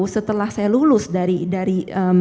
setelah saya lulus dari